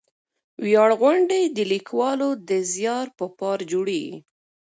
ویاړ غونډې د لیکوالو د زیار په پار جوړېږي.